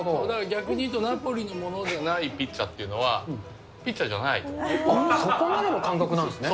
逆に言うと、ナポリのものでないピッツァっていうのは、そこまでの感覚なんですね。